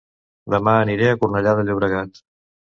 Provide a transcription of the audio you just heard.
Dema aniré a Cornellà de Llobregat